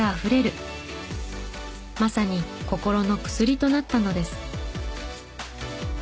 まさに心の薬となったのです。